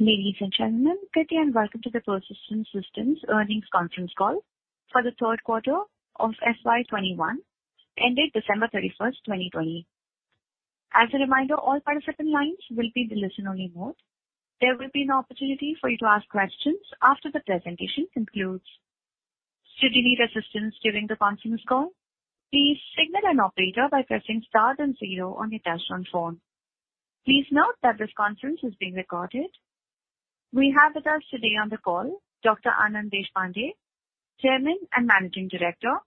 Ladies and gentlemen, good day, and welcome to the Persistent Systems earnings conference call for the 3rd quarter of FY21, ending December 31st, 2020. As a reminder, all participant lines will be in listen-only mode. There will be an opportunity for you to ask questions after the presentation concludes. Should you need assistance during the conference call, please signal an operator by pressing star and zero on your touchtone phone. Please note that this conference is being recorded. We have with us today on the call Dr. Anand Deshpande, Chairman and Managing Director;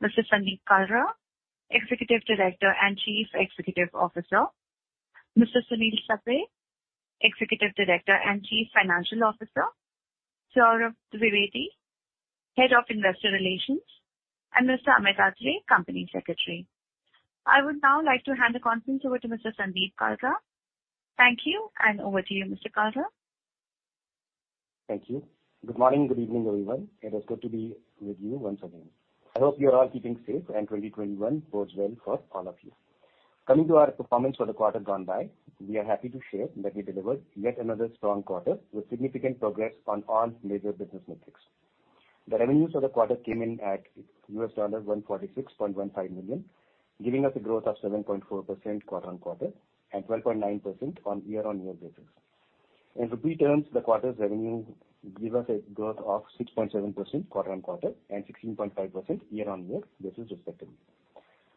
Mr. Sandeep Kalra, Executive Director and Chief Executive Officer; Mr. Sunil Sapre, Executive Director and Chief Financial Officer; Saurabh Dwivedi, Head of Investor Relations; and Mr. Amit Atre, Company Secretary. I would now like to hand the conference over to Mr. Sandeep Kalra. Thank you, and over to you, Mr. Kalra. Thank you. Good morning, good evening, everyone. It is good to be with you once again. I hope you're all keeping safe and 2021 goes well for all of you. Coming to our performance for the quarter gone by, we are happy to share that we delivered yet another strong quarter, with significant progress on all major business metrics. The revenues for the quarter came in at US$146.15 million, giving us a growth of 7.4% quarter-on-quarter and 12.9% on year-on-year basis. In INR terms, the quarter's revenue gave us a growth of 6.7% quarter-on-quarter and 16.5% year-on-year basis respectively.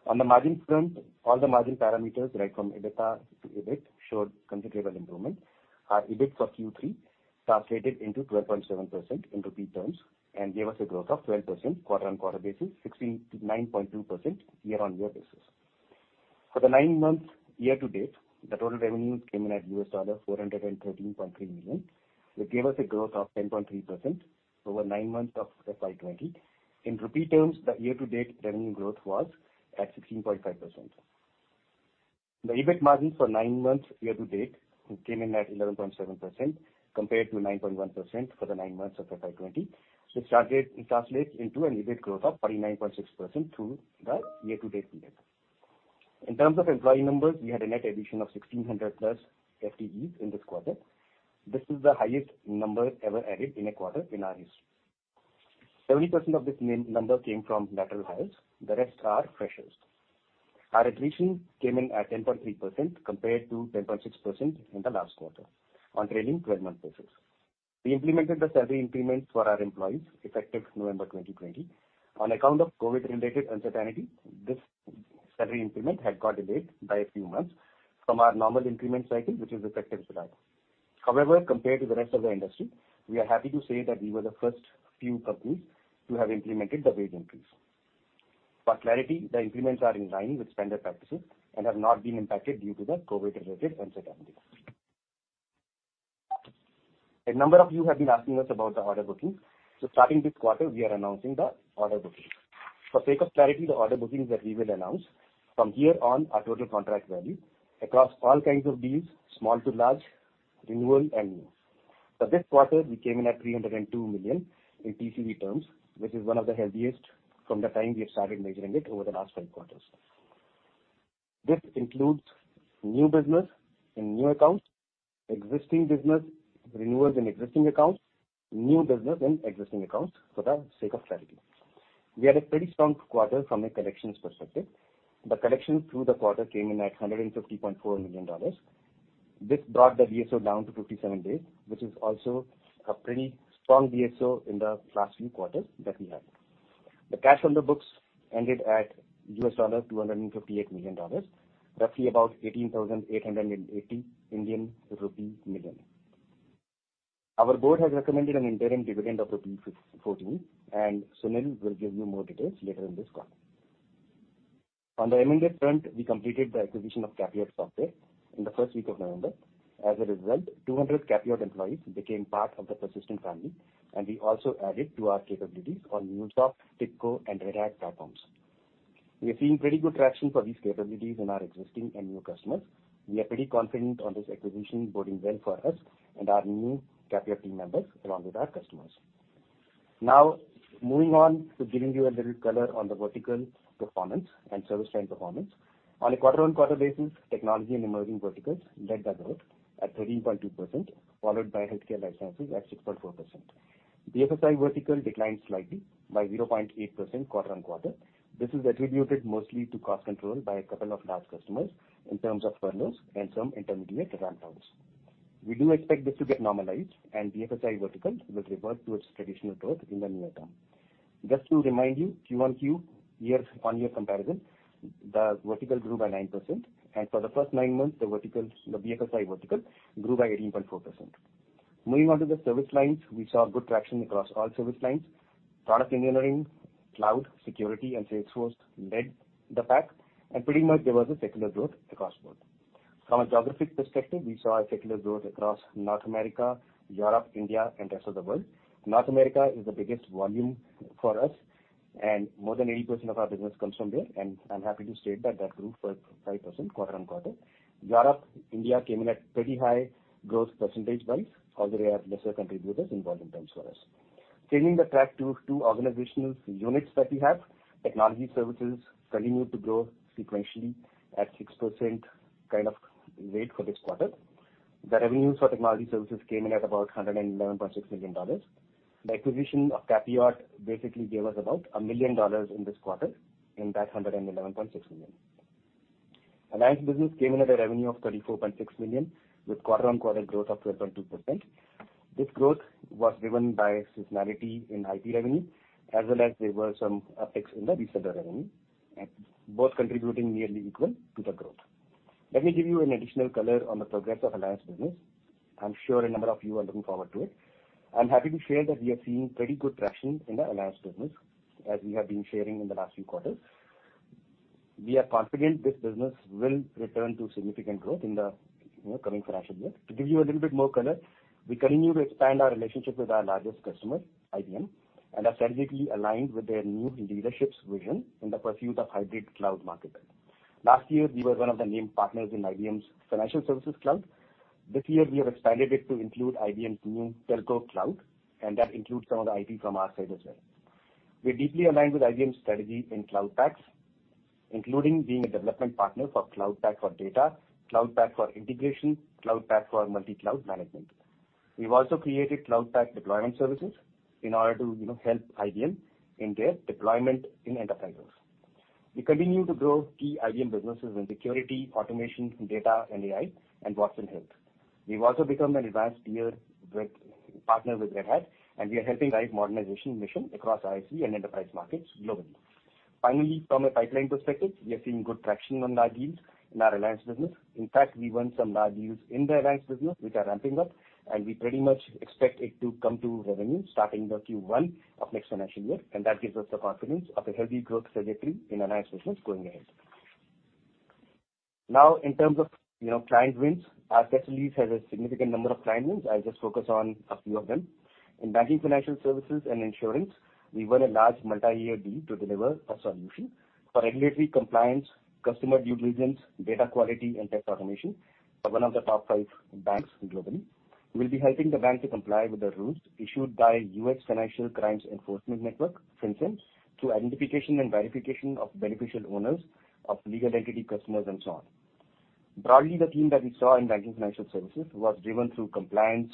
On the margin front, all the margin parameters, right from EBITDA to EBIT, showed considerable improvement. Our EBIT for Q3 translated into 12.7% in INR terms and gave us a growth of 12% quarter-over-quarter basis, 69.2% year-over-year basis. For the nine months year-to-date, the total revenues came in at $413.3 million, which gave us a growth of 10.3% over nine months of FY 2020. In INR terms, the year-to-date revenue growth was at 16.5%. The EBIT margin for nine months year-to-date came in at 11.7%, compared to 9.1% for the nine months of FY 2020, which translates into an EBIT growth of 49.6% through the year-to-date period. In terms of employee numbers, we had a net addition of 1,600+ FTEs in this quarter. This is the highest number ever added in a quarter in our history. 70% of this number came from lateral hires. The rest are freshers. Our attrition came in at 10.3%, compared to 10.6% in the last quarter on trailing 12-month basis. We implemented the salary increments for our employees effective November 2020. On account of COVID-related uncertainty, this salary increment had got delayed by a few months from our normal increment cycle, which is effective July. However, compared to the rest of the industry, we are happy to say that we were the first few companies to have implemented the wage increase. For clarity, the increments are in line with standard practices and have not been impacted due to the COVID-related uncertainty. A number of you have been asking us about the order bookings, so starting this quarter, we are announcing the order bookings. For sake of clarity, the order bookings that we will announce from here on are total contract value across all kinds of deals, small to large, renewal and new. For this quarter, we came in at 302 million in TCV terms, which is one of the healthiest from the time we have started measuring it over the last five quarters. This includes new business in new accounts, existing business renewals in existing accounts, new business in existing accounts, for the sake of clarity. We had a pretty strong quarter from a collections perspective. The collections through the quarter came in at $150.4 million. This brought the DSO down to 57 days, which is also a pretty strong DSO in the last few quarters that we had. The cash on the books ended at $258 million, roughly about 18,880 million Indian rupee. Our board has recommended an interim dividend of rupee 14, and Sunil will give you more details later in this call. On the M&A front, we completed the acquisition of CAPIOT Software in the first week of November. As a result, 200 CAPIOT employees became part of the Persistent family, and we also added to our capabilities on MuleSoft, TIBCO, and Red Hat platforms. We are seeing pretty good traction for these capabilities in our existing and new customers. We are pretty confident on this acquisition boding well for us and our new CAPIOT team members, along with our customers. Moving on to giving you a little color on the vertical performance and service line performance. On a quarter-on-quarter basis, technology and emerging verticals led the growth at 13.2%, followed by healthcare life sciences at 6.4%. BFSI vertical declined slightly by 0.8% quarter-on-quarter. This is attributed mostly to cost control by a couple of large customers in terms of furloughs and some intermediate ramp downs. We do expect this to get normalized, and BFSI vertical will revert to its traditional growth in the near term. Just to remind you, Q on Q year-on-year comparison, the vertical grew by 9%, and for the first nine months, the BFSI vertical grew by 18.4%. Moving on to the service lines. We saw good traction across all service lines. Product engineering, cloud, security, and Salesforce led the pack, and pretty much there was a secular growth across board. From a geographic perspective, we saw a secular growth across North America, Europe, India, and rest of the world. North America is the biggest volume for us, and more than 80% of our business comes from there, and I'm happy to state that grew 5% quarter-on-quarter. Europe, India came in at pretty high growth percentage-wise, although they are lesser contributors in volume terms for us. Changing the track to two organizational units that we have. Technology services continued to grow sequentially at 6% kind of rate for this quarter. The revenues for technology services came in at about 111.6 million dollars. The acquisition of CAPIOT basically gave us about 1 million dollars in this quarter, in that 111.6 million. Alliance business came in at a revenue of 34.6 million, with quarter-on-quarter growth of 12.2%. This growth was driven by seasonality in IT revenue, as well as there were some upticks in the reseller revenue, both contributing nearly equal to the growth. Let me give you an additional color on the progress of alliance business. I'm sure a number of you are looking forward to it. I'm happy to share that we are seeing pretty good traction in the alliance business, as we have been sharing in the last few quarters. We are confident this business will return to significant growth in the coming financial year. To give you a little bit more color, we continue to expand our relationship with our largest customer, IBM, and are strategically aligned with their new leadership's vision in the pursuit of hybrid cloud market build. Last year, we were one of the named partners in IBM's Financial Services Cloud. This year, we have expanded it to include IBM's new Telco Cloud, and that includes some of the IT from our side as well. We are deeply aligned with IBM's strategy in Cloud Paks, including being a development partner for Cloud Pak for Data, Cloud Pak for Integration, Cloud Pak for Multicloud Management. We've also created Cloud Pak deployment services in order to help IBM in their deployment in enterprises. We continue to grow key IBM businesses in security, automation, data and AI, and Watson Health. We've also become an advanced tier partner with Red Hat, and we are helping drive modernization mission across ISV and enterprise markets globally. Finally, from a pipeline perspective, we are seeing good traction on large deals in our alliance business. In fact, we won some large deals in the alliance business, which are ramping up, and we pretty much expect it to come to revenue starting the Q1 of next financial year, and that gives us the confidence of a healthy growth trajectory in alliance business going ahead. Now, in terms of client wins, our facilities have a significant number of client wins. I'll just focus on a few of them. In Banking, Financial Services and Insurance, we won a large multi-year deal to deliver a solution for regulatory compliance, customer due diligence, data quality and tax automation for one of the top five banks globally. We'll be helping the bank to comply with the rules issued by U.S. Financial Crimes Enforcement Network, FinCEN, through identification and verification of beneficial owners of legal entity customers, and so on. Broadly, the theme that we saw in Banking, Financial Services was driven through compliance,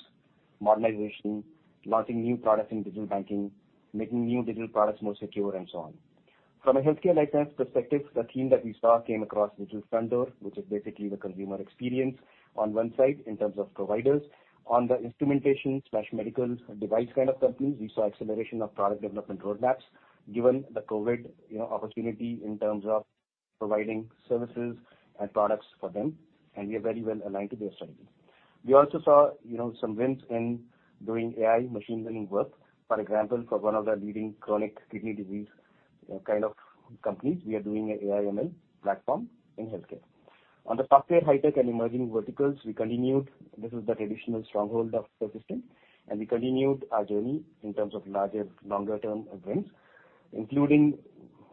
modernization, launching new products in digital banking, making new digital products more secure, and so on. From a healthcare life science perspective, the theme that we saw came across digital front door, which is basically the consumer experience on one side in terms of providers. On the instrumentation/medical device kind of companies, we saw acceleration of product development roadmaps, given the COVID opportunity in terms of providing services and products for them, and we are very well aligned to their strategy. We also saw some wins in doing AI machine learning work. For example, for one of the leading chronic kidney disease kind of companies, we are doing an AI ML platform in healthcare. On the software high tech and emerging verticals, we continued. This is the traditional stronghold of the system, and we continued our journey in terms of larger, longer-term wins, including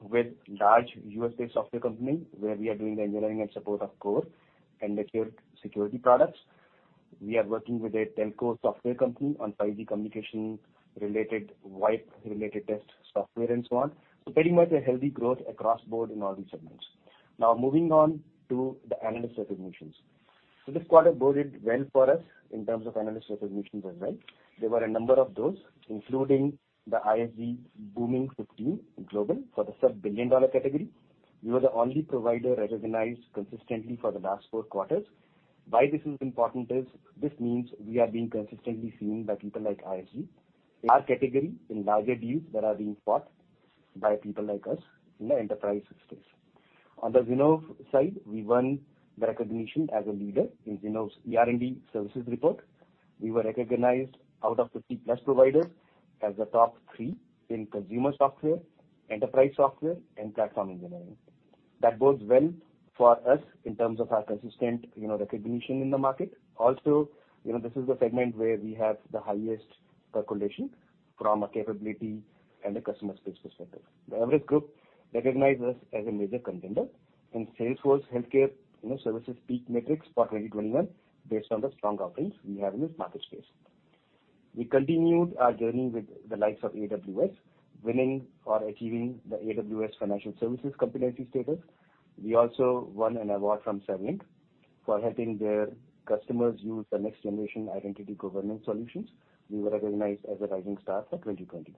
with large U.S.-based software company, where we are doing the engineering and support, of course, and the security products. We are working with a telco software company on 5G communication-related, VoIP-related test software, and so on. Pretty much a healthy growth across board in all these segments. Moving on to the analyst recognitions. This quarter boded well for us in terms of analyst recognitions as well. There were a number of those, including the ISG Booming 15 Global for the sub-billion-dollar category. We were the only provider recognized consistently for the last four quarters. Why this is important is this means we are being consistently seen by people like ISG in our category in larger deals that are being fought by people like us in the enterprise space. On the Zinnov side, we won the recognition as a leader in Zinnov's ER&D services report. We were recognized out of 50 plus providers as the top three in consumer software, enterprise software, and platform engineering. That bodes well for us in terms of our consistent recognition in the market. This is the segment where we have the highest calculation from a capability and a customer space perspective. The Everest Group recognized us as a major contender in Salesforce healthcare services PEAK Matrix for 2021 based on the strong offerings we have in this market space. We continued our journey with the likes of AWS, winning or achieving the AWS Financial Services Competency status. We also won an award from Saviynt for helping their customers use the next generation identity governance solutions. We were recognized as a Rising Star for 2020.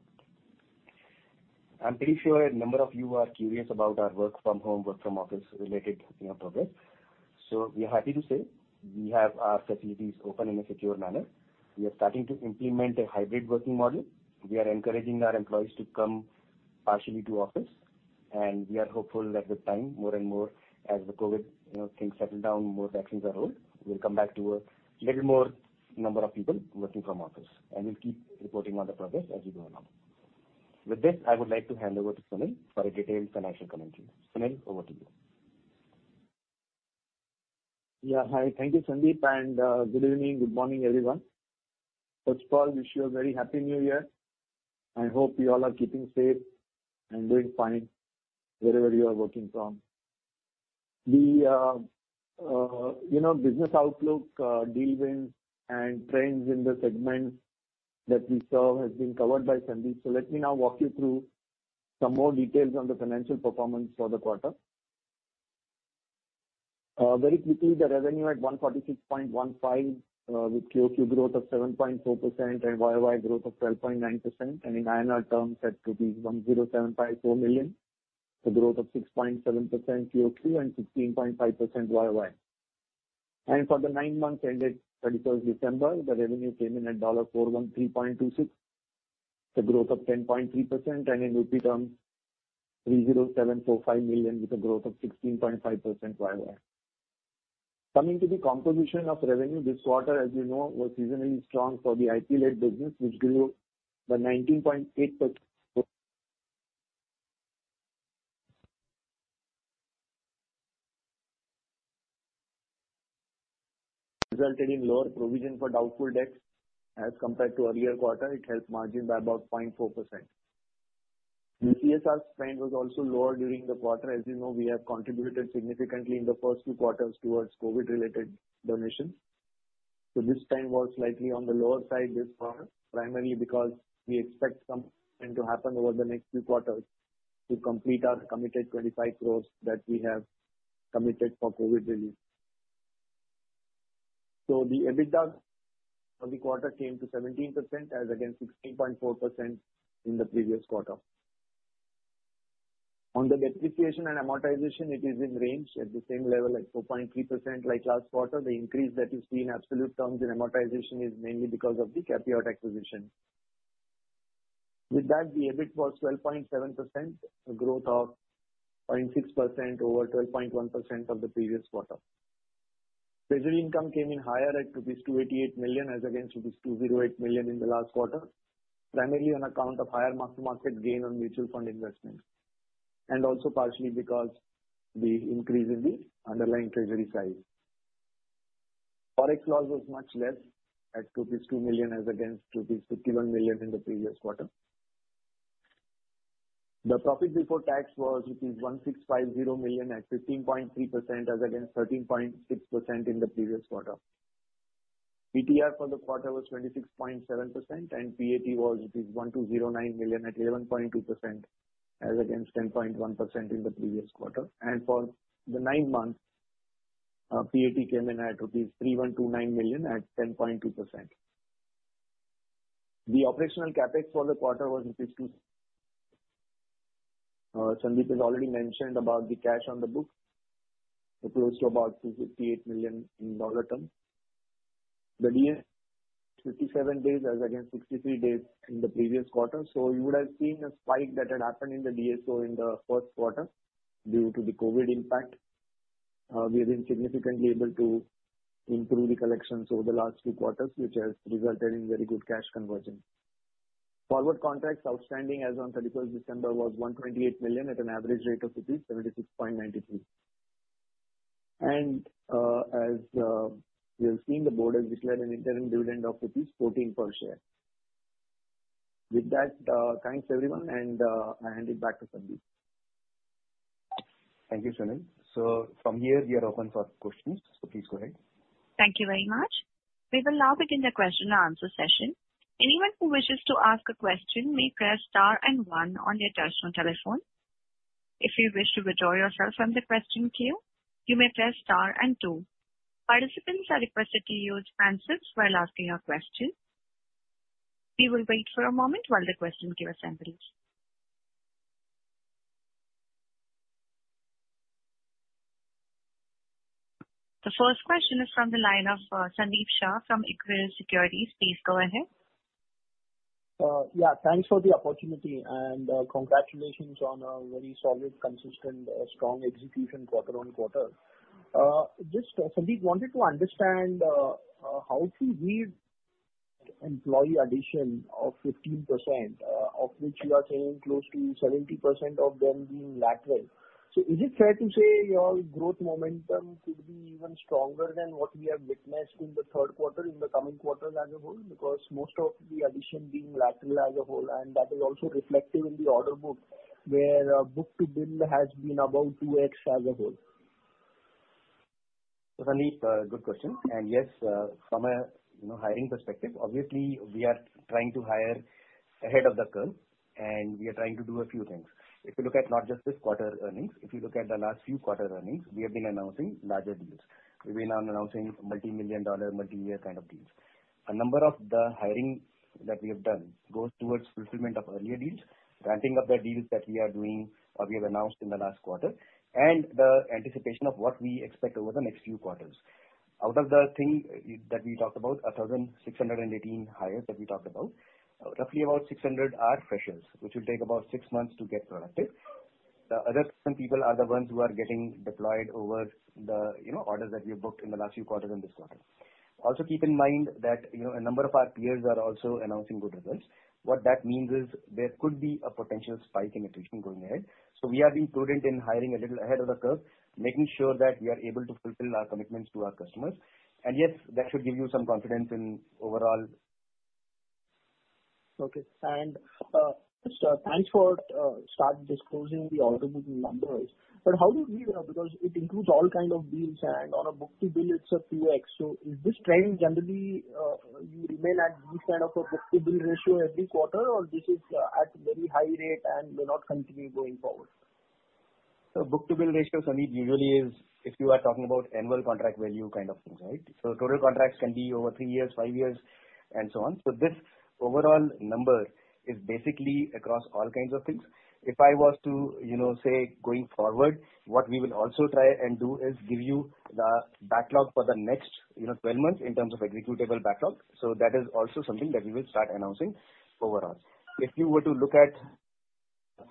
I'm pretty sure a number of you are curious about our work from home, work from office-related progress. We are happy to say we have our facilities open in a secure manner. We are starting to implement a hybrid working model. We are encouraging our employees to come partially to office, and we are hopeful that with time, more and more as the COVID things settle down, more vaccines are rolled, we'll come back to a little more number of people working from office, and we'll keep reporting on the progress as we go along. With this, I would like to hand over to Sunil for a detailed financial commentary. Sunil, over to you. Yeah. Hi. Thank you, Sandeep, and good evening, good morning, everyone. First of all, wish you a very Happy New Year. I hope you all are keeping safe and doing fine wherever you are working from. The business outlook, deal wins, and trends in the segments that we serve has been covered by Sandeep. Let me now walk you through some more details on the financial performance for the quarter. Very quickly, the revenue at $146.15 million with QOQ growth of 7.4% and YOY growth of 12.9%, and in INR terms set to be [107.4 million], a growth of 6.7% QOQ and 16.5% YOY. For the nine months ended 31st December, the revenue came in at $413.26 million, a growth of 10.3%, and in rupee terms 30,745 million with a growth of 16.5% YOY. Coming to the composition of revenue this quarter, as you know, was seasonally strong for the IP-led business, which grew by 19.8% resulted in lower provision for doubtful debts as compared to earlier quarter. It helped margin by about 0.4%. The CSR spend was also lower during the quarter. As you know, we have contributed significantly in the first two quarters towards COVID-related donations. This time was slightly on the lower side this quarter, primarily because we expect something to happen over the next few quarters to complete our committed 25 crores that we have committed for COVID relief. The EBITDA for the quarter came to 17% as against 16.4% in the previous quarter. On the depreciation and amortization, it is in range at the same level at 4.3% like last quarter. The increase that you see in absolute terms in amortization is mainly because of the CAPIOT acquisition. With that, the EBIT was 12.7%, a growth of 0.6% over 12.1% of the previous quarter. Treasury income came in higher at 288 million as against 208 million in the last quarter, primarily on account of higher mark-to-market gain on mutual fund investments, also partially because the increase in the underlying treasury size. Forex loss was much less at 2 million as against 51 million in the previous quarter. The profit before tax was rupees 1,650 million at 15.3% as against 13.6% in the previous quarter. ETR for the quarter was 26.7%, PAT was rupees 1,209 million at 11.2% as against 10.1% in the previous quarter. For the nine months, our PAT came in at rupees 3,129 million at 10.2%. The operational CapEx for the quarter was. Sandeep has already mentioned about the cash on the book, close to about $258 million in dollar terms. The DSO 57 days as against 63 days in the previous quarter. You would have seen a spike that had happened in the DSO in the first quarter due to the COVID impact. We have been significantly able to improve the collections over the last few quarters, which has resulted in very good cash conversion. Forward contracts outstanding as on 31st December was $128 million at an average rate of rupees 76.93. As you have seen, the board has declared an interim dividend of rupees 14 per share. With that, thanks, everyone, and I hand it back to Sandeep. Thank you, Sunil. From here, we are open for questions, so please go ahead. Thank you very much. We will now begin the question and answer session. The first question is from the line of Sandeep Shah from Equirus Securities. Please go ahead. Yeah, thanks for the opportunity and congratulations on a very solid, consistent, strong execution quarter-over-quarter. Sandeep, wanted to understand how to read employee addition of 15%, of which you are saying close to 70% of them being lateral. Is it fair to say your growth momentum could be even stronger than what we have witnessed in the third quarter in the coming quarters as a whole? Most of the addition being lateral as a whole, and that is also reflective in the order book, where book-to-bill has been about 2x as a whole. Sandeep, good question. Yes, from a hiring perspective, obviously we are trying to hire ahead of the curve and we are trying to do a few things. If you look at not just this quarter earnings, if you look at the last few quarter earnings, we have been announcing larger deals. We've been announcing multi-million dollar, multi-year kind of deals. A number of the hiring that we have done goes towards fulfillment of earlier deals, ramping up the deals that we are doing, or we have announced in the last quarter, and the anticipation of what we expect over the next few quarters. Out of the thing that we talked about, 1,618 hires that we talked about, roughly about 600 are freshers, which will take about six months to get productive. The other people are the ones who are getting deployed over the orders that we have booked in the last few quarters and this quarter. Keep in mind that a number of our peers are also announcing good results. What that means is there could be a potential spike in attrition going ahead. We are being prudent in hiring a little ahead of the curve, making sure that we are able to fulfill our commitments to our customers. Yes, that should give you some confidence in overall Okay. Thanks for start disclosing the order book numbers. How do you read that? It includes all kind of deals and on a book-to-bill, it's a [POX]. Is this trend generally, you remain at this kind of a book-to-bill ratio every quarter or this is at very high rate and may not continue going forward? Book-to-bill ratio, Sandeep, usually is if you are talking about annual contract value kind of things. Total contracts can be over three years, five years, and so on. This overall number is basically across all kinds of things. If I was to say, going forward, what we will also try and do is give you the backlog for the next 12 months in terms of executable backlog. That is also something that we will start announcing overall. If you were to look at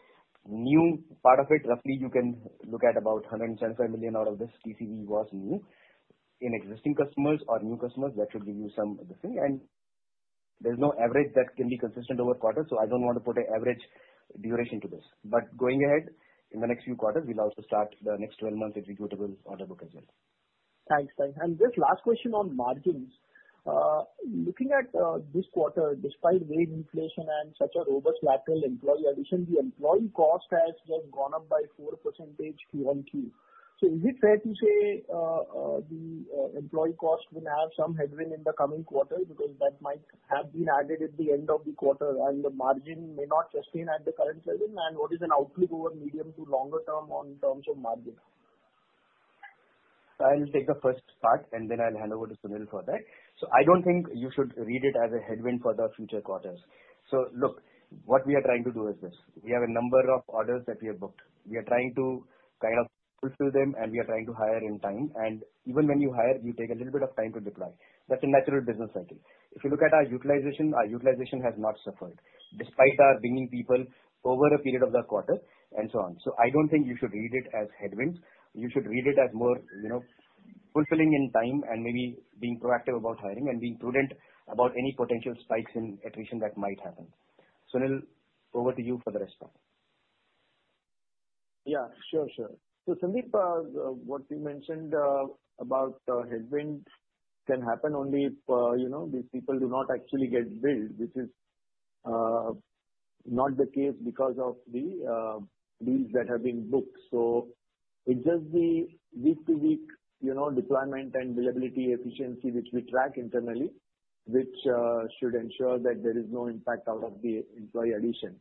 new part of it, roughly you can look at about $175 million out of this TCV was new. In existing customers or new customers, that should give you some of the thing, and there's no average that can be consistent over quarter, so I don't want to put an average duration to this. Going ahead, in the next few quarters, we'll also start the next 12 months executable order book as well. Thanks. Just last question on margins. Looking at this quarter, despite wage inflation and such a robust lateral employee addition, the employee cost has just gone up by 4% 1Q. Is it fair to say the employee cost will have some headwind in the coming quarter because that might have been added at the end of the quarter and the margin may not sustain at the current level? What is an outlook over medium to longer term in terms of margin? I'll take the first part and then I'll hand over to Sunil for that. Look, what we are trying to do is this. We have a number of orders that we have booked. We are trying to fulfill them and we are trying to hire in time. Even when you hire, you take a little bit of time to deploy. That's a natural business cycle. If you look at our utilization, our utilization has not suffered despite our bringing people over a period of the quarter and so on. I don't think you should read it as headwinds. You should read it as more fulfilling in time and maybe being proactive about hiring and being prudent about any potential spikes in attrition that might happen. Sunil, over to you for the rest of it. Yeah, sure. Sandeep, what you mentioned about headwinds can happen only if these people do not actually get billed, which is not the case because of the deals that have been booked. It's just the week-to-week deployment and billability efficiency which we track internally, which should ensure that there is no impact out of the employee addition.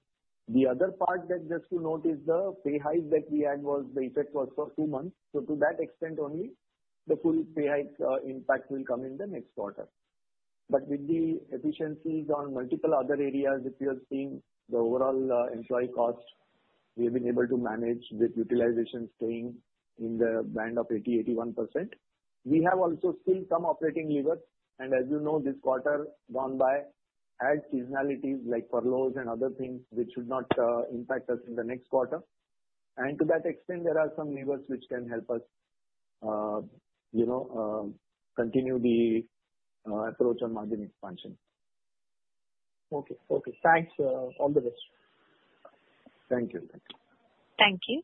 The other part that just to note is the pay hike that we had was the effect was for two months, so to that extent only the full pay hike impact will come in the next quarter. With the efficiencies on multiple other areas which we are seeing, the overall employee cost, we have been able to manage with utilization staying in the band of 80%, 81%. We have also still some operating levers and as you know this quarter gone by had seasonalities like furloughs and other things which should not impact us in the next quarter. To that extent, there are some levers which can help us continue the approach on margin expansion. Okay. Thanks. All the best. Thank you. Thank you.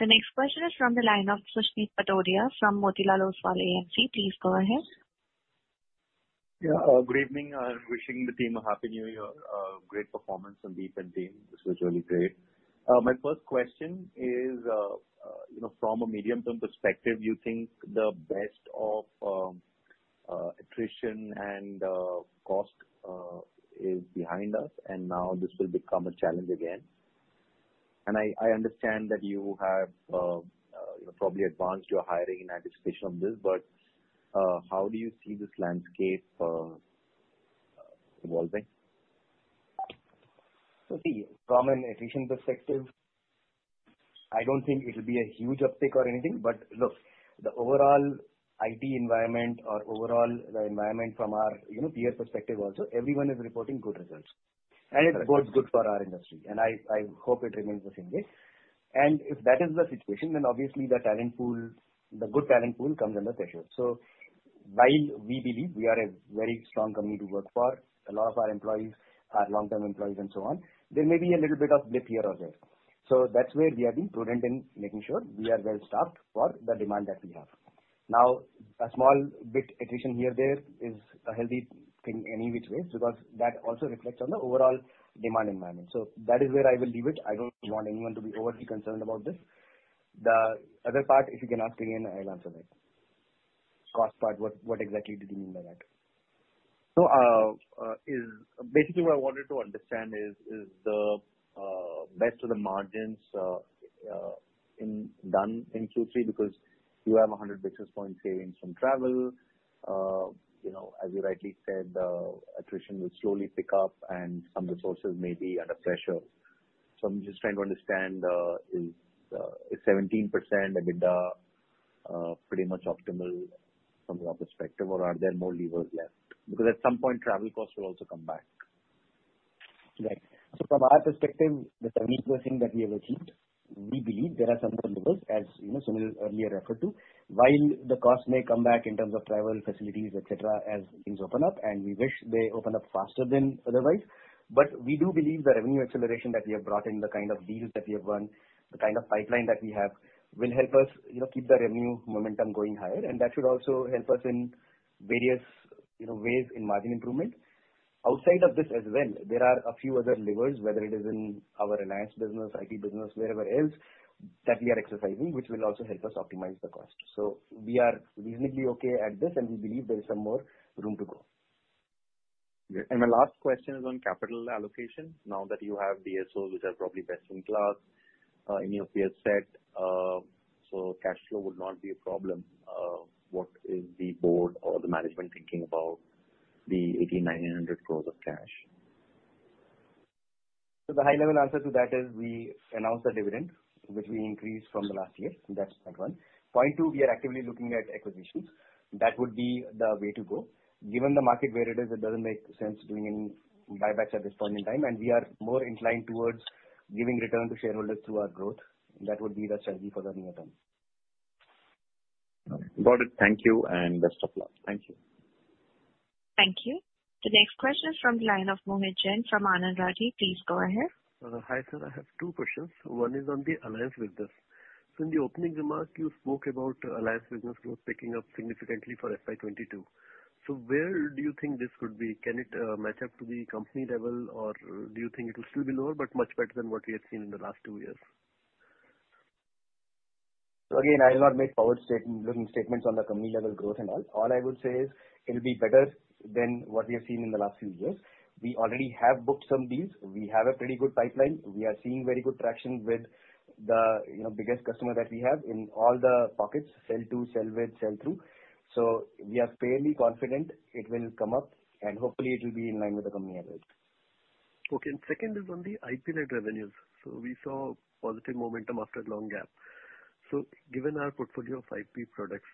The next question is from the line of Susmit Patodia from Motilal Oswal AMC. Please go ahead. Yeah, good evening. Wishing the team a happy New Year. Great performance, Sandeep and team. This was really great. My first question is, from a medium-term perspective, do you think the best of attrition and cost is behind us and now this will become a challenge again? I understand that you have probably advanced your hiring in anticipation of this, but how do you see this landscape evolving? See, from an attrition perspective, I don't think it'll be a huge uptick or anything, but look, the overall IT environment or overall the environment from our peer perspective also, everyone is reporting good results. It bodes good for our industry, and I hope it remains the same way. If that is the situation, then obviously the good talent pool comes under pressure. While we believe we are a very strong company to work for, a lot of our employees are long-term employees and so on, there may be a little bit of blip here or there. That's where we have been prudent in making sure we are well-staffed for the demand that we have. Now, a small bit attrition here or there is a healthy thing any which way because that also reflects on the overall demand environment. That is where I will leave it. I don't want anyone to be overly concerned about this. The other part, if you can ask again, I'll answer that. Cost part, what exactly did you mean by that? Basically what I wanted to understand is the best of the margins done in Q3 because you have 100 basis points savings from travel? As you rightly said, attrition will slowly pick up and some resources may be under pressure. I'm just trying to understand, is 17% EBITDA pretty much optimal from your perspective, or are there more levers left? At some point, travel costs will also come back. Right. From our perspective, the 17% that we have achieved, we believe there are some levers, as Sunil earlier referred to. While the cost may come back in terms of travel, facilities, et cetera, as things open up, and we wish they open up faster than otherwise. We do believe the revenue acceleration that we have brought in, the kind of deals that we have won, the kind of pipeline that we have will help us keep the revenue momentum going higher and that should also help us in various ways in margin improvement. Outside of this as well, there are a few other levers, whether it is in our alliance business, IT business, wherever else, that we are exercising, which will also help us optimize the cost. We are reasonably okay at this, and we believe there is some more room to go. Great. My last question is on capital allocation. Now that you have DSOs which are probably best in class, in your peer set, cash flow would not be a problem. What is the board or the management thinking about the 8,900 crores of cash? The high-level answer to that is we announce the dividend, which we increased from the last year. That's point one. Point two, we are actively looking at acquisitions. That would be the way to go. Given the market where it is, it doesn't make sense doing any buybacks at this point in time, and we are more inclined towards giving return to shareholders through our growth. That would be the strategy for the near term. Got it. Thank you and best of luck. Thank you. Thank you. The next question is from the line of Mohit Jain from Anand Rathi. Please go ahead. Hi, sir. I have two questions. One is on the alliance business. In the opening remarks, you spoke about alliance business growth picking up significantly for FY 2022. Where do you think this could be? Can it match up to the company level, or do you think it will still be lower but much better than what we have seen in the last two years? Again, I will not make forward-looking statements on the company-level growth and all. All I will say is it'll be better than what we have seen in the last few years. We already have booked some deals. We have a pretty good pipeline. We are seeing very good traction with the biggest customer that we have in all the pockets, sell to, sell with, sell through. We are fairly confident it will come up, and hopefully it will be in line with the company average. Okay. Second is on the IP-led revenues. We saw positive momentum after a long gap. Given our portfolio of IP products,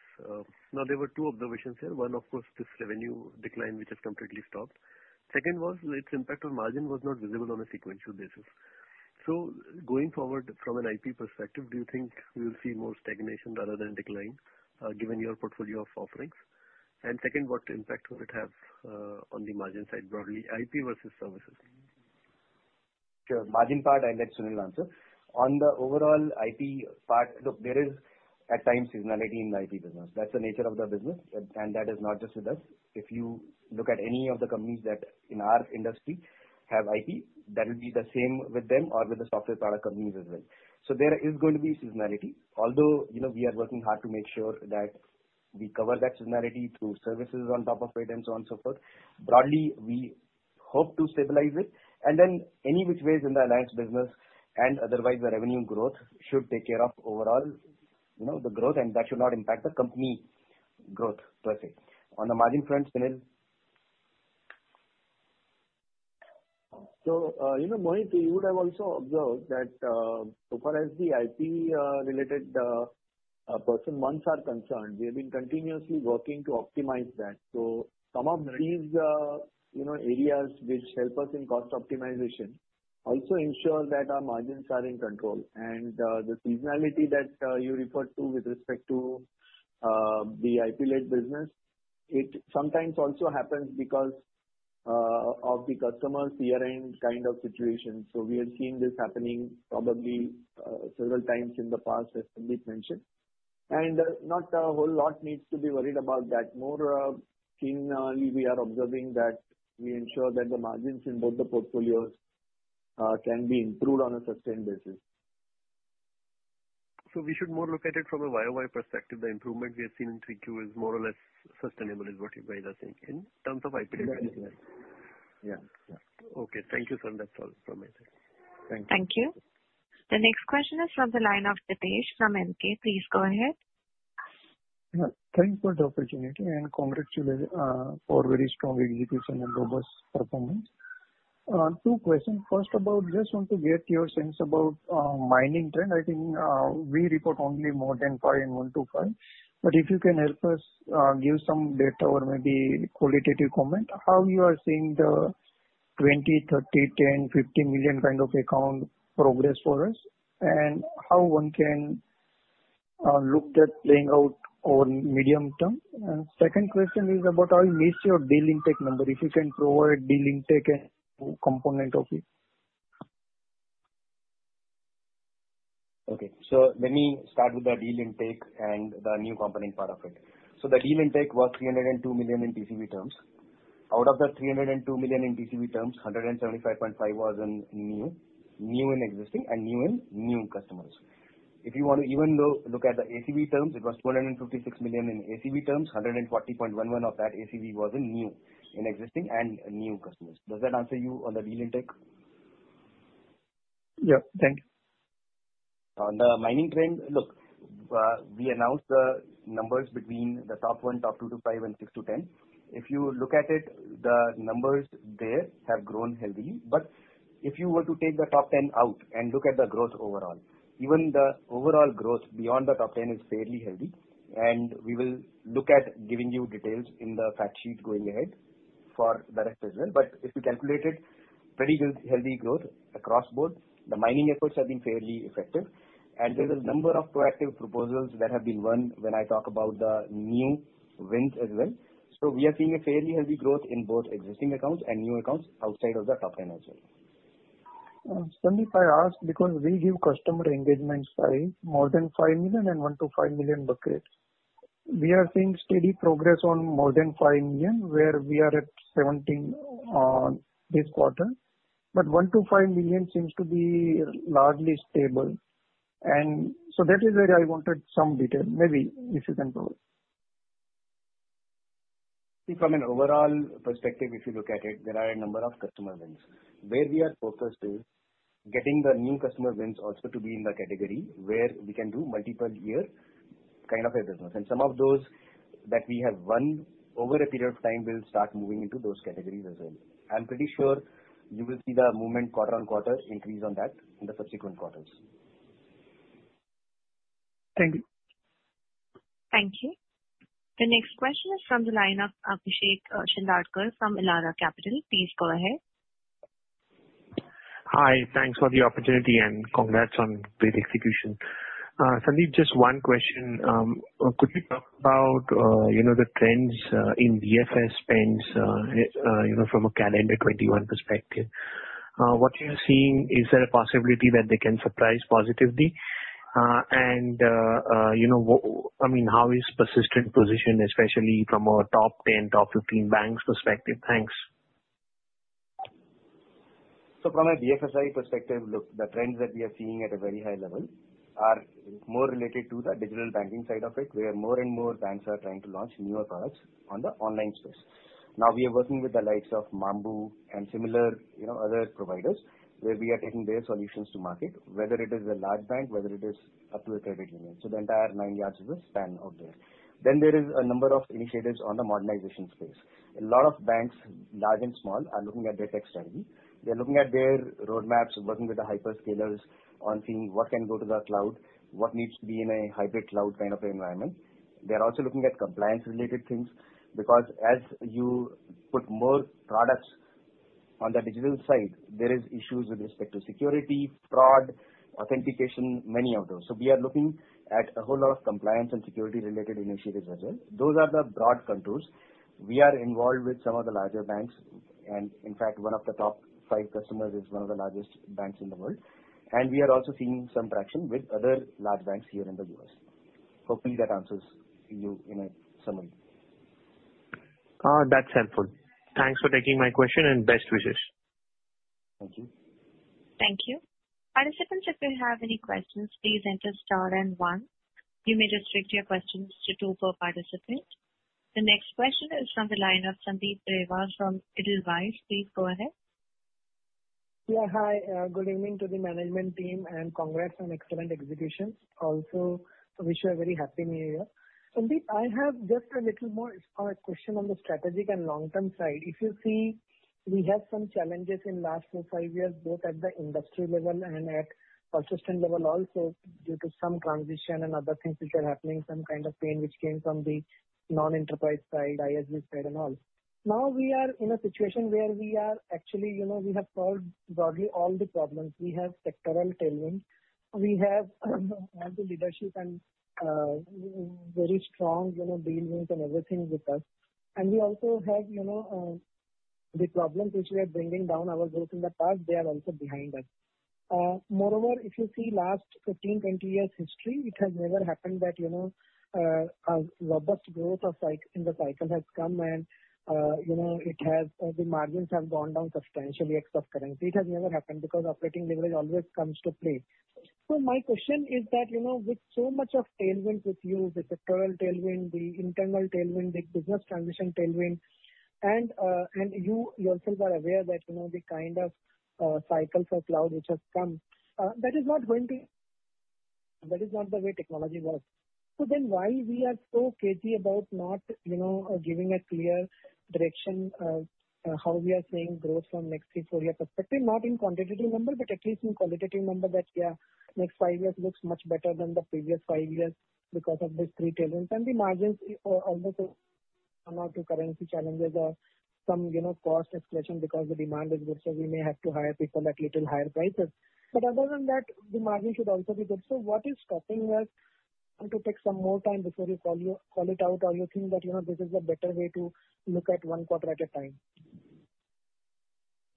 now there were two observations here. One, of course, this revenue decline, which has completely stopped. Second was its impact on margin was not visible on a sequential basis. Going forward from an IP perspective, do you think we'll see more stagnation rather than decline, given your portfolio of offerings? Second, what impact will it have on the margin side broadly, IP versus services? Sure. Margin part, I'll let Sunil answer. On the overall IP part, look, there is at times seasonality in the IP business. That's the nature of the business. That is not just with us. If you look at any of the companies that in our industry have IP, that will be the same with them or with the software product companies as well. There is going to be seasonality. Although, we are working hard to make sure that we cover that seasonality through services on top of it and so on and so forth. Broadly, we hope to stabilize it. Any which ways in the alliance business and otherwise the revenue growth should take care of overall the growth. That should not impact the company growth per se. On the margin front, Sunil? Mohit, you would have also observed that so far as the IP-related person months are concerned, we have been continuously working to optimize that. Some of these areas which help us in cost optimization also ensure that our margins are in control. The seasonality that you referred to with respect to the IP-led business, it sometimes also happens because of the customer year-end kind of situation. We are seeing this happening probably several times in the past, as Sandeep mentioned. Not a whole lot needs to be worried about that. More generally, we are observing that we ensure that the margins in both the portfolios can be improved on a sustained basis. We should more look at it from a YOY perspective. The improvement we have seen in Q3 is more or less sustainable is what you guys are saying in terms of IP-led revenues. Exactly. Yeah. Okay. Thank you, sir. That's all from my side. Thank you. Thank you. The next question is from the line of Dipesh from Emkay. Please go ahead. Thanks for the opportunity and congratulations for very strong execution and robust performance. Two questions. First, I just want to get your sense about mining trend. I think we report only more than five and one to five. If you can help us give some data or maybe qualitative comment, how you are seeing the 20 million, 30 million, 10 million, 50 million kind of account progress for us, and how one can look at playing out on medium-term. Second question is about our net deal intake number. If you can provide deal intake and component of it. Okay. Let me start with the deal intake and the new component part of it. The deal intake was $302 million in TCV terms. Out of that $302 million in TCV terms, $175.5 was in new. New and existing and new in new customers. If you want to even look at the ACV terms, it was $456 million in ACV terms, $140.11 of that ACV was in new, in existing and new customers. Does that answer you on the deal intake? Yeah. Thank you. On the mining trend, look, we announced the numbers between the top one, top two to five, and 6-10. If you look at it, the numbers there have grown healthy. If you were to take the top 10 out and look at the growth overall, even the overall growth beyond the top 10 is fairly healthy. We will look at giving you details in the fact sheet going ahead for the rest as well. If you calculate it, pretty healthy growth across both. The mining efforts have been fairly effective. There's a number of proactive proposals that have been won when I talk about the new wins as well. We are seeing a fairly healthy growth in both existing accounts and new accounts outside of the top 10 as well. Sandeep, I ask because we give customer engagement size more than $5 million and $1 million-$5 million buckets. We are seeing steady progress on more than $5 million, where we are at 17 this quarter. $1 million-$5 million seems to be largely stable. That is where I wanted some detail, maybe if you can provide. From an overall perspective, if you look at it, there are a number of customer wins. Where we are focused is getting the new customer wins also to be in the category where we can do multiple year kind of a business. Some of those that we have won over a period of time will start moving into those categories as well. I'm pretty sure you will see the movement quarter on quarter increase on that in the subsequent quarters. Thank you. Thank you. The next question is from the line of Abhishek Shindadkar from Elara Capital. Please go ahead. Hi. Thanks for the opportunity and congrats on great execution. Sandeep, just one question. Could we talk about the trends in BFS spends from a calendar 2021 perspective? What are you seeing? Is there a possibility that they can surprise positively? How is Persistent positioned, especially from a top 10, top 15 banks perspective? Thanks. From a BFSI perspective, look, the trends that we are seeing at a very high level are more related to the digital banking side of it, where more and more banks are trying to launch newer products on the online space. We are working with the likes of Mambu and similar other providers where we are taking their solutions to market, whether it is a large bank, whether it is up to a credit union. The entire nine yards of the span of this. There is a number of initiatives on the modernization space. A lot of banks, large and small, are looking at their tech strategy. They're looking at their roadmaps, working with the hyperscalers on seeing what can go to the cloud, what needs to be in a hybrid cloud kind of environment. They are also looking at compliance-related things because as you put more products on the digital side, there is issues with respect to security, fraud, authentication, many of those. We are looking at a whole lot of compliance and security-related initiatives as well. Those are the broad contours. We are involved with some of the larger banks and in fact, one of the top five customers is one of the largest banks in the world. We are also seeing some traction with other large banks here in the U.S. Hopefully, that answers you, Sumedh. That's helpful. Thanks for taking my question and best wishes. Thank you. Thank you. Participants, if you have any questions, please enter star and one. You may restrict your questions to two per participant. The next question is from the line of Sandeep Agarwal from Edelweiss. Please go ahead. Yeah. Hi. Good evening to the management team and congrats on excellent execution. Also, wish you a very happy new year. Sandeep, I have just a little more question on the strategic and long-term side. If you see, we had some challenges in last four, five years, both at the industry level and at Persistent level also due to some transition and other things which are happening, some kind of pain which came from the non-enterprise side, ISV side and all. Now we are in a situation where we have solved broadly all the problems. We have sectoral tailwinds. We have the leadership and very strong deal wins and everything with us. We also have the problems which were bringing down our growth in the past, they are also behind us. Moreover, if you see last 15, 20 years history, it has never happened that a robust growth in the cycle has come and the margins have gone down substantially ex of currency. It has never happened because operating leverage always comes to play. My question is that, with so much of tailwinds with you, the sectoral tailwind, the internal tailwind, the business transition tailwind, and you yourself are aware that the kind of cycle for cloud which has come, that is not the way technology works. Why we are so crazy about not giving a clear direction of how we are seeing growth from next three, four-year perspective, not in quantitative number, but at least in qualitative number that, yeah, next five years looks much better than the previous five years because of these three tailwinds. The margins always come out to currency challenges or some cost escalation because the demand is good, so we may have to hire people at little higher prices. Other than that, the margin should also be good. What is stopping us to take some more time before you call it out? You think that this is the better way to look at one quarter at a time?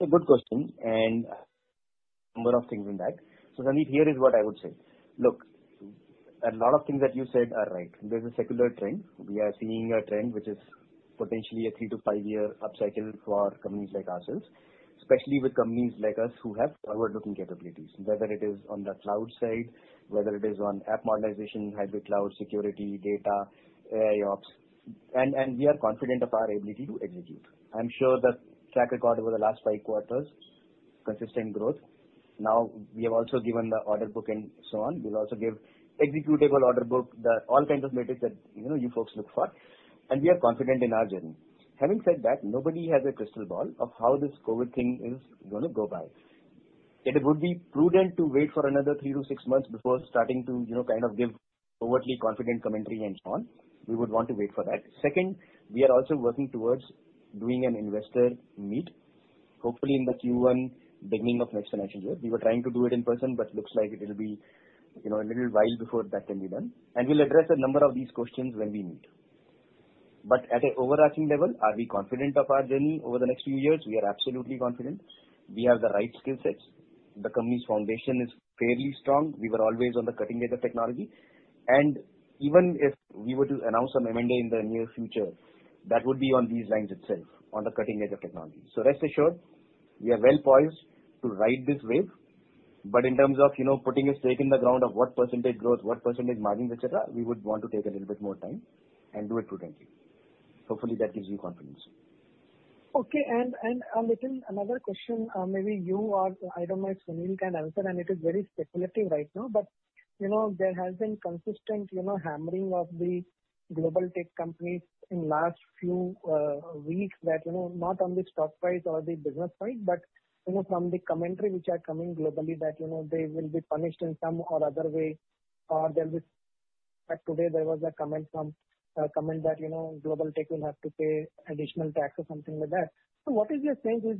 A good question, and number of things in that. Sandeep, here is what I would say. Look, a lot of things that you said are right. There's a secular trend. We are seeing a trend which is potentially a three to five-year upcycle for companies like ourselves, especially with companies like us who have forward-looking capabilities, whether it is on the cloud side, whether it is on app modernization, hybrid cloud, security, data, AIOps. We are confident of our ability to execute. I'm sure the track record over the last five quarters, consistent growth. We have also given the order book and so on. We'll also give executable order book, all kinds of metrics that you folks look for, and we are confident in our journey. Having said that, nobody has a crystal ball of how this COVID thing is going to go by. It would be prudent to wait for another three to six months before starting to give overtly confident commentary and so on. We would want to wait for that. Second, we are also working towards doing an investor meet, hopefully in the Q1 beginning of next financial year. We were trying to do it in person, looks like it'll be a little while before that can be done. We'll address a number of these questions when we meet. At an overarching level, are we confident of our journey over the next few years? We are absolutely confident. We have the right skill sets. The company's foundation is fairly strong. We were always on the cutting edge of technology. Even if we were to announce an M&A in the near future, that would be on these lines itself, on the cutting edge of technology. Rest assured, we are well-poised to ride this wave. In terms of putting a stake in the ground of what percentage growth, what percentage margin, et cetera, we would want to take a little bit more time and do it prudently. Hopefully, that gives you confidence. Okay. A little another question, maybe you or I don't know if Sunil can answer, and it is very speculative right now. There has been consistent hammering of the global tech companies in last few weeks that, not on the stock price or the business price, but from the commentary which are coming globally, that they will be punished in some or other way. Like today, there was a comment that global tech will have to pay additional tax or something like that. What is your sense is,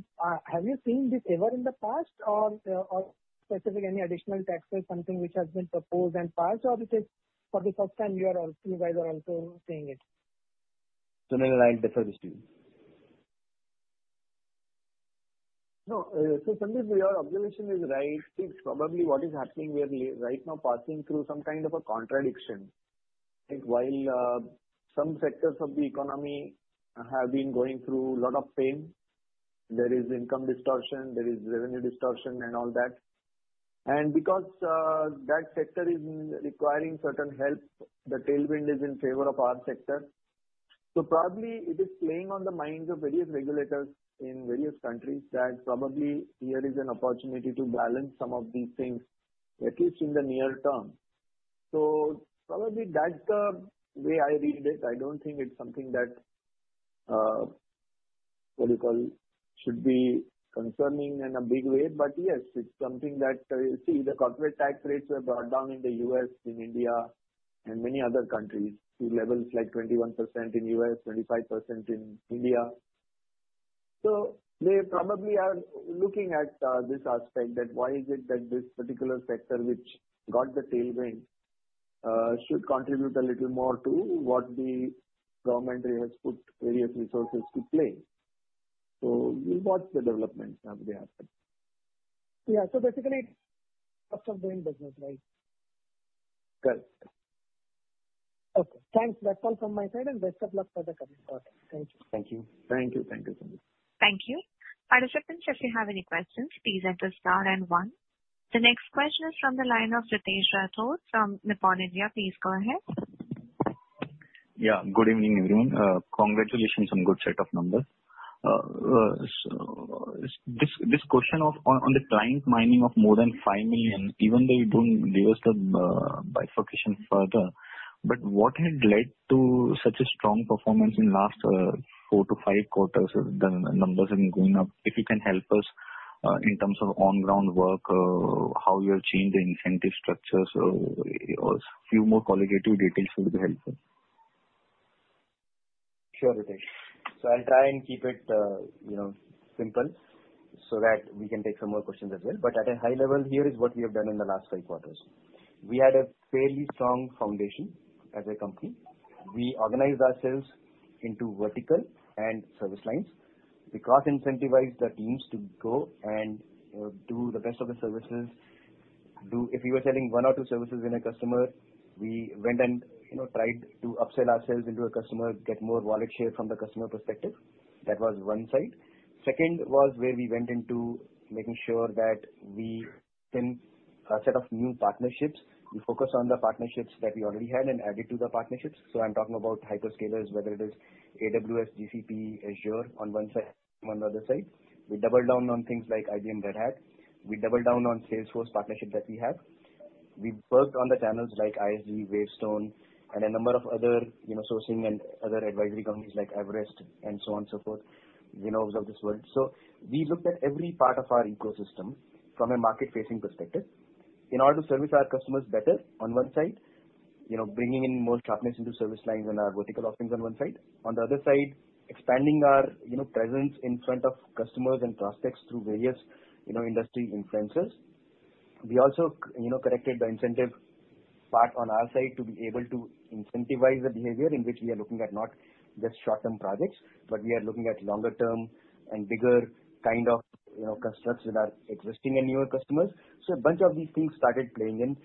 have you seen this ever in the past, or specific any additional taxes, something which has been proposed and passed? Is it for the first time you guys are also seeing it? Sunil, I'll defer this to you. No. Sandeep, your observation is right. It's probably what is happening, we are right now passing through some kind of a contradiction. While some sectors of the economy have been going through a lot of pain. There is income distortion, there is revenue distortion and all that. Because that sector is requiring certain help, the tailwind is in favor of our sector. Probably it is playing on the minds of various regulators in various countries that probably here is an opportunity to balance some of these things, at least in the near term. Probably that's the way I read it. I don't think it's something that, what do you call, should be concerning in a big way. Yes, it's something that, you see the corporate tax rates were brought down in the U.S., in India, and many other countries to levels like 21% in U.S., 25% in India. They probably are looking at this aspect that why is it that this particular sector which got the tailwind should contribute a little more to what the government has put various resources to play. We'll watch the developments on the aspect. Yeah. Basically, cost of doing business, right? Correct. Okay, thanks. That's all from my side, and best of luck for the coming quarter. Thank you. Thank you. Thank you, Sandeep. Thank you. Participants, if you have any questions, please enter star and one. The next question is from the line of Ritesh Rathod from Nippon India. Please go ahead. Yeah. Good evening, everyone. Congratulations on good set of numbers. This question on the client mining of more than 5 million, even though you don't give us the bifurcation further, but what had led to such a strong performance in last four to five quarters? The numbers have been going up. If you can help us, in terms of on-ground work, how you have changed the incentive structures, or few more qualitative details would be helpful. Sure, Ritesh. I'll try and keep it simple so that we can take some more questions as well. At a high level, here is what we have done in the last five quarters. We had a fairly strong foundation as a company. We organized ourselves into vertical and service lines. We cross-incentivized the teams to go and do the best of the services. If we were selling one or two services in a customer, we went and tried to upsell ourselves into a customer, get more wallet share from the customer perspective. That was one side. Second was where we went into making sure that we thin a set of new partnerships. We focus on the partnerships that we already had and added to the partnerships. I'm talking about hyperscalers, whether it is AWS, GCP, Azure on one side, on the other side. We doubled down on things like IBM, Red Hat. We doubled down on Salesforce partnership that we had. We worked on the channels like ISG, Wavestone, and a number of other sourcing and other advisory companies like Everest and so on, so forth, you know of this world. We looked at every part of our ecosystem from a market-facing perspective in order to service our customers better on one side, bringing in more sharpness into service lines and our vertical offerings on one side. On the other side, expanding our presence in front of customers and prospects through various industry influencers. We also corrected the incentive part on our side to be able to incentivize the behavior in which we are looking at not just short-term projects, but we are looking at longer-term and bigger kind of constructs with our existing and newer customers. A bunch of these things started playing in,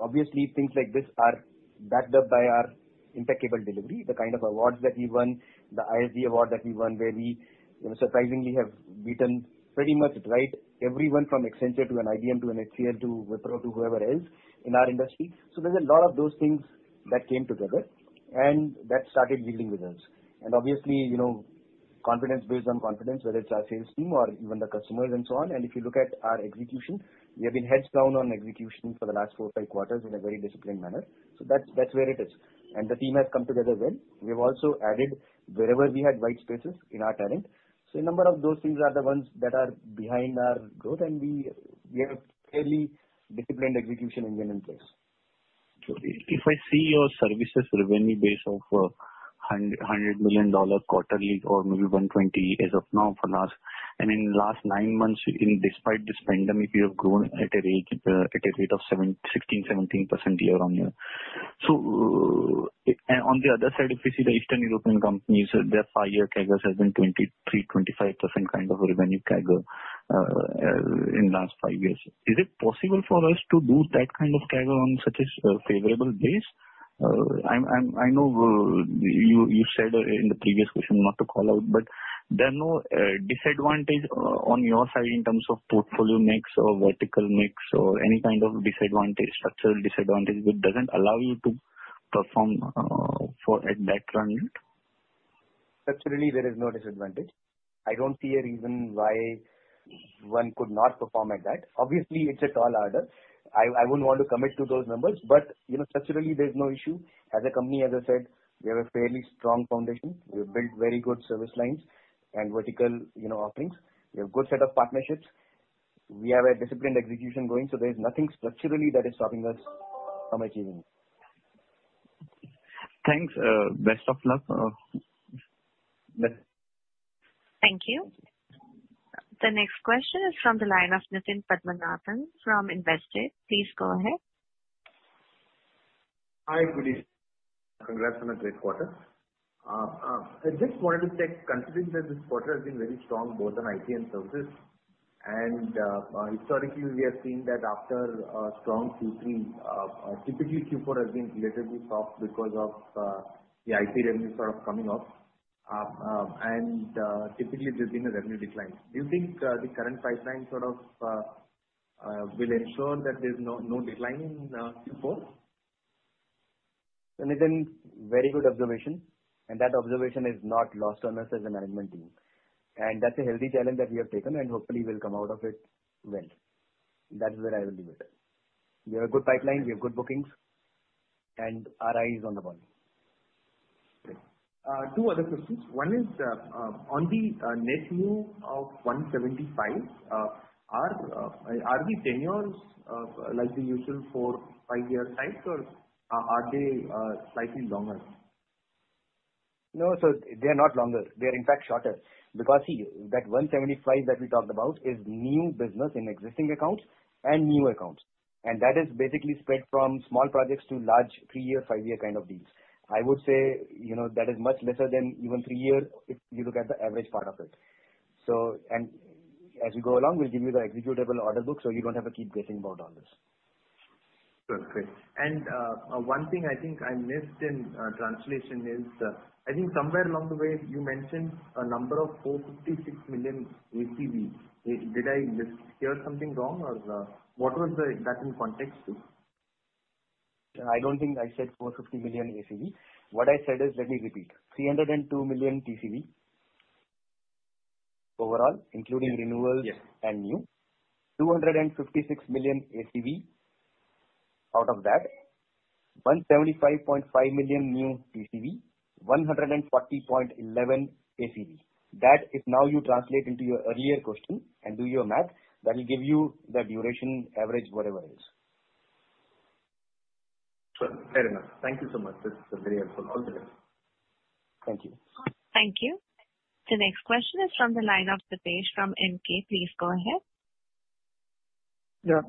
obviously, things like this are backed up by our impeccable delivery. The kind of awards that we won, the ISG Award that we won, where we surprisingly have beaten pretty much everyone from Accenture to IBM, to HCL, to Wipro, to whoever else in our industry. There's a lot of those things that came together and that started yielding results. Obviously, confidence builds on confidence, whether it's our sales team or even the customers and so on. If you look at our execution, we have been heads down on execution for the last four, five quarters in a very disciplined manner. That's where it is. The team has come together well. We have also added wherever we had white spaces in our talent. A number of those things are the ones that are behind our growth, and we have a fairly disciplined execution engine in place. If I see your services revenue base $100 million quarterly or maybe 120 as of now for last. In last nine months, despite this pandemic, we have grown at a rate of 16%, 17% year-on-year. On the other side, if you see the Eastern European companies, their five-year CAGRs have been 23%, 25% kind of a revenue CAGR in the last five years. Is it possible for us to do that kind of CAGR on such a favorable base? I know you said in the previous question not to call out, but there are no disadvantage on your side in terms of portfolio mix or vertical mix or any kind of structural disadvantage which doesn't allow you to perform at that run rate? Structurally, there is no disadvantage. I don't see a reason why one could not perform at that. Obviously, it's a tall order. I wouldn't want to commit to those numbers, but structurally, there's no issue. As a company, as I said, we have a fairly strong foundation. We've built very good service lines and vertical offerings. We have good set of partnerships. We have a disciplined execution going, so there's nothing structurally that is stopping us from achieving this. Thanks. Best of luck. Thank you. The next question is from the line of Nitin Padmanabhan from Investec. Please go ahead. Hi, good evening. Congrats on a great quarter. I just wanted to check, considering that this quarter has been very strong both on IT and services, and historically we have seen that after a strong Q3, typically Q4 has been relatively soft because of the IT revenue sort of coming off. Typically, there's been a revenue decline. Do you think the current pipeline will ensure that there's no decline in Q4? Nitin, very good observation, and that observation is not lost on us as a management team. That's a healthy challenge that we have taken, and hopefully we'll come out of it well. That is where I will leave it. We have a good pipeline, we have good bookings, and our eye is on the ball. Great. Two other questions. One is, on the net new of 175, are the tenures like the usual four, five year types or are they slightly longer? They're not longer. They're in fact shorter. See, that 175 that we talked about is new business in existing accounts and new accounts. That is basically spread from small projects to large three year, five year kind of deals. I would say that is much lesser than even three years if you look at the average part of it. As we go along, we'll give you the executable order book so you don't have to keep guessing about all this. Sure. Great. One thing I think I missed in translation is, I think somewhere along the way you mentioned a number of 456 million ACV. Did I hear something wrong or what was that in context to? I don't think I said 450 million ACV. What I said is, let me repeat. 302 million TCV overall, including renewals. Yes. New. $256 million ACV out of that. $175.5 million new TCV. $140.11 ACV. That if now you translate into your earlier question and do your math, that will give you the duration, average, whatever it is. Sure. Fair enough. Thank you so much. This is very helpful. All the best. Thank you. Thank you. The next question is from the line of Dipesh from Emkay. Please go ahead.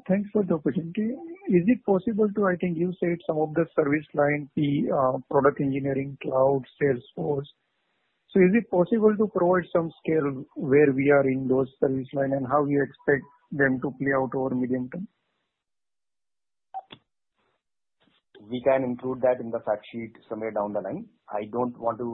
Thanks for the opportunity. I think you said some of the service line, be product engineering, cloud, Salesforce. Is it possible to provide some scale where we are in those service line, and how you expect them to play out over medium-term? We can include that in the fact sheet somewhere down the line. I don't want to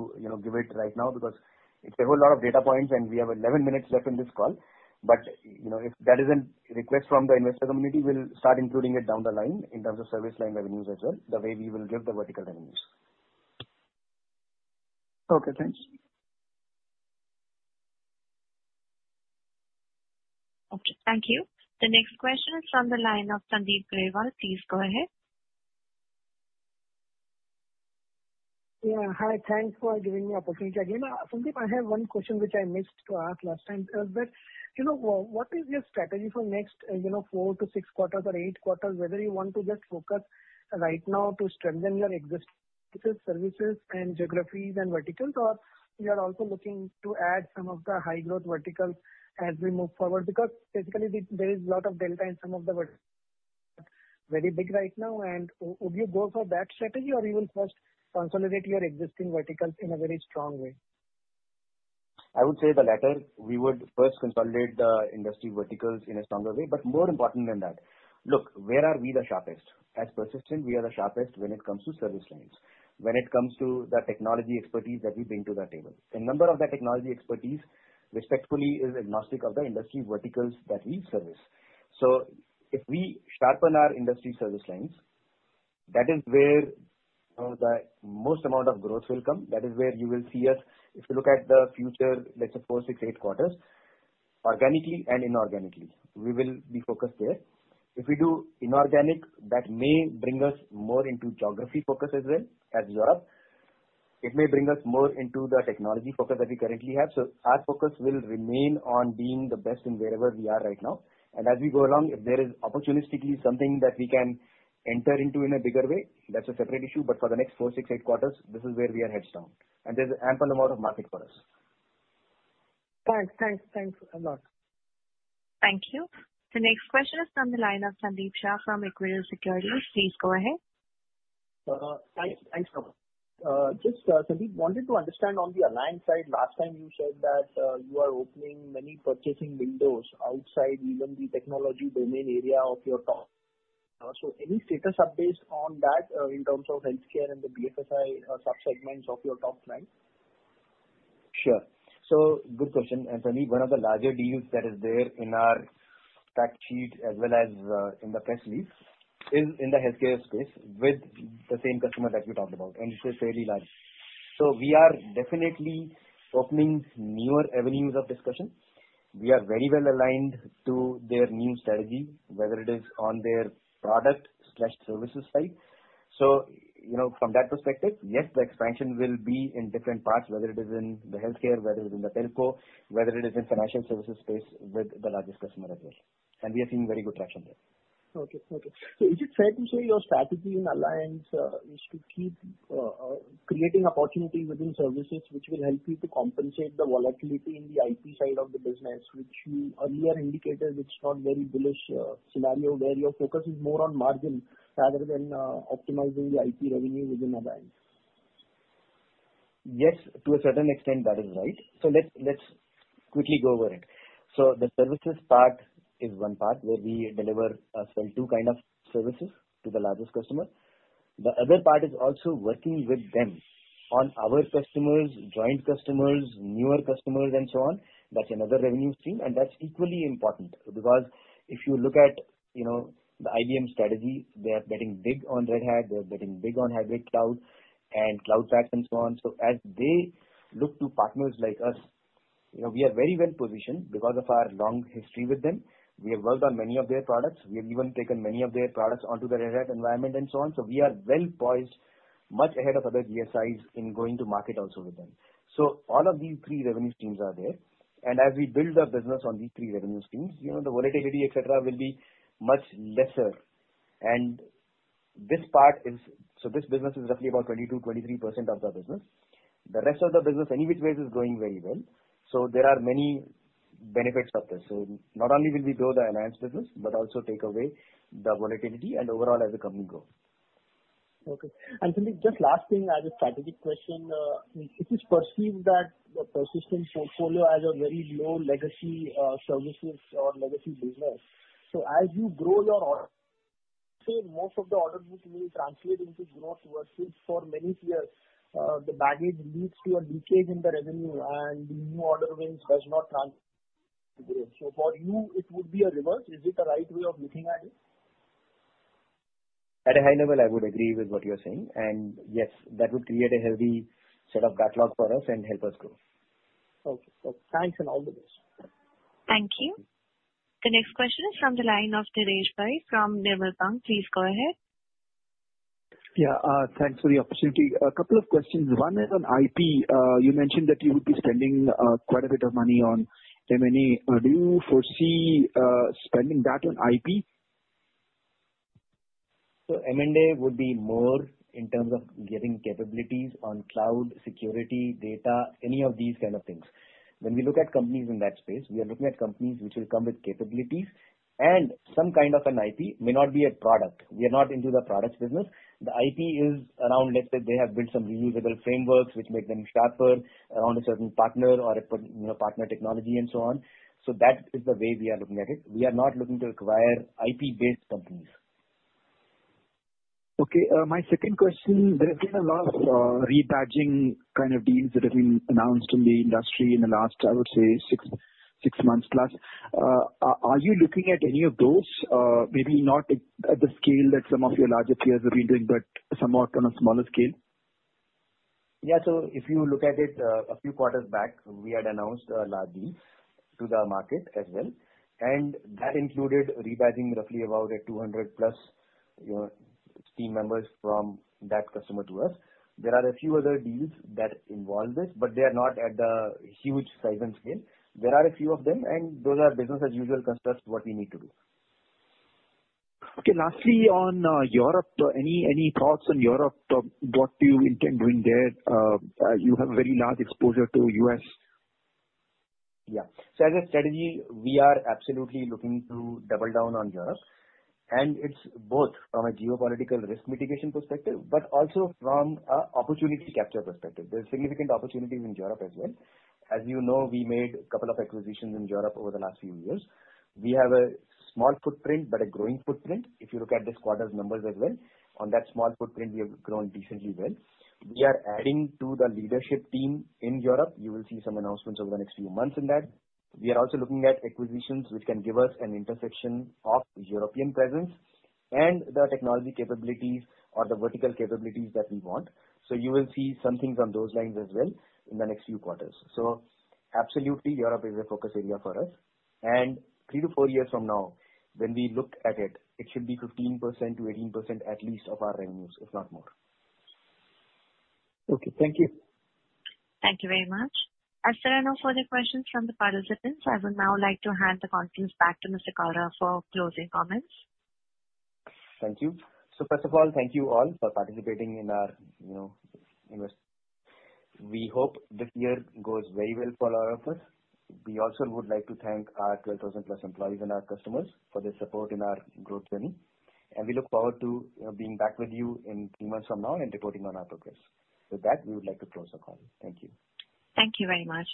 give it right now because it's a whole lot of data points and we have 11 minutes left in this call. If that is a request from the investor community, we'll start including it down the line in terms of service line revenues as well, the way we will give the vertical revenues. Okay. Thanks. Okay. Thank you. The next question is from the line of Sandeep Agarwal. Please go ahead. Yeah. Hi. Thanks for giving me opportunity again. Sandeep, I have one question which I missed to ask last time. What is your strategy for next four to six quarters or eight quarters, whether you want to just focus right now to strengthen your existing services and geographies and verticals, or you are also looking to add some of the high-growth verticals as we move forward? Basically, there is lot of delta in some of the verticals that are very big right now. Would you go for that strategy or you will first consolidate your existing verticals in a very strong way? I would say the latter. We would first consolidate the industry verticals in a stronger way. More important than that, look, where are we the sharpest? As Persistent, we are the sharpest when it comes to service lines, when it comes to the technology expertise that we bring to the table. A number of the technology expertise, respectfully, is agnostic of the industry verticals that we service. If we sharpen our industry service lines, that is where the most amount of growth will come. That is where you will see us if you look at the future, let's say four, six, eight quarters, organically and inorganically. We will be focused there. If we do inorganic, that may bring us more into geography focus as well as Europe. It may bring us more into the technology focus that we currently have. Our focus will remain on being the best in wherever we are right now. As we go along, if there is opportunistically something that we can enter into in a bigger way, that's a separate issue. For the next four, six, eight quarters, this is where we are heads down. There's ample amount of market for us. Thanks a lot. Thank you. The next question is from the line of Sandeep Shah from Equirus Securities. Please go ahead. Thanks. Sandeep, wanted to understand on the alliance side, last time you said that you are opening many purchasing windows outside even the technology domain area of your top. Any status updates on that in terms of healthcare and the BFSI sub-segments of your top bank? Sure. Good question. Sandeep, one of the larger deals that is there in our fact sheet as well as in the press release is in the healthcare space with the same customer that we talked about, and it is fairly large. We are definitely opening newer avenues of discussion. We are very well aligned to their new strategy, whether it is on their product/services side. From that perspective, yes, the expansion will be in different parts, whether it is in the healthcare, whether it is in the telco, whether it is in financial services space with the largest customer of theirs. We are seeing very good traction there. Okay. Is it fair to say your strategy in alliance is to keep creating opportunity within services, which will help you to compensate the volatility in the IP side of the business, which you earlier indicated it's not very bullish scenario where your focus is more on margin rather than optimizing the IP revenue within alliance? Yes, to a certain extent that is right. Let's quickly go over it. The services part is one part where we deliver some two kind of services to the largest customer. The other part is also working with them on our customers, joint customers, newer customers, and so on. That's another revenue stream, and that's equally important because if you look at the IBM strategy, they are betting big on Red Hat. They're betting big on hybrid cloud and Cloud Pak and so on. As they look to partners like us, we are very well-positioned because of our long history with them. We have worked on many of their products. We have even taken many of their products onto the Red Hat environment and so on. We are well-poised much ahead of other GSIs in going to market also with them. All of these three revenue streams are there, and as we build our business on these three revenue streams the volatility, et cetera, will be much lesser. This business is roughly about 22%, 23% of the business. The rest of the business any which ways is going very well. There are many benefits of this. Not only will we grow the alliance business, but also take away the volatility and overall as a company grow. Okay. Sandeep, just last thing as a strategic question. It is perceived that the Persistent portfolio has a very low legacy services or legacy business. as you grow your order, say most of the order books will translate into growth versus for many years the baggage leads to a leakage in the revenue and the new order wins does not translate to this. for you, it would be a reverse. Is it a right way of looking at it? At a high level, I would agree with what you're saying. Yes, that would create a healthy set of backlog for us and help us grow. Okay. Thanks and all the best. Thank you. The next question is from the line of Girish Pai from Nirmal Bang. Please go ahead. Yeah. Thanks for the opportunity. A couple of questions. One is on IP. You mentioned that you would be spending quite a bit of money on M&A. Do you foresee spending that on IP? M&A would be more in terms of getting capabilities on cloud security data, any of these kind of things. When we look at companies in that space, we are looking at companies which will come with capabilities and some kind of an IP. May not be a product. We are not into the products business. The IP is around, let's say, they have built some reusable frameworks which make them sharper around a certain partner or a partner technology and so on. That is the way we are looking at it. We are not looking to acquire IP-based companies. Okay. My second question. There have been a lot of rebadging kind of deals that have been announced in the industry in the last, I would say six months plus. Are you looking at any of those? Maybe not at the scale that some of your larger peers have been doing, but somewhat on a smaller scale? Yeah. If you look at it a few quarters back, we had announced a large deal to the market as well, and that included rebadging roughly about 200 plus team members from that customer to us. There are a few other deals that involve this, but they are not at the huge size and scale. There are a few of them, and those are business as usual concerns what we need to do. Okay. Lastly, on Europe. Any thoughts on Europe? What do you intend doing there? You have very large exposure to U.S. Yeah. As a strategy, we are absolutely looking to double down on Europe, and it's both from a geopolitical risk mitigation perspective, but also from a opportunity capture perspective. There's significant opportunities in Europe as well. As you know, we made a couple of acquisitions in Europe over the last few years. We have a small footprint but a growing footprint. If you look at this quarter's numbers as well, on that small footprint, we have grown decently well. We are adding to the leadership team in Europe. You will see some announcements over the next few months in that. We are also looking at acquisitions which can give us an intersection of European presence and the technology capabilities or the vertical capabilities that we want. You will see some things on those lines as well in the next few quarters. Absolutely, Europe is a focus area for us. Three to four years from now, when we look at it should be 15%-18% at least of our revenues, if not more. Okay. Thank you. Thank you very much. As there are no further questions from the participants, I would now like to hand the conference back to Mr. Kalra for closing comments. Thank you. First of all, thank you all for participating in our [investor]. We hope this year goes very well for all of us. We also would like to thank our 12,000 plus employees and our customers for their support in our growth journey. We look forward to being back with you in three months from now and reporting on our progress. With that, we would like to close the call. Thank you. Thank you very much.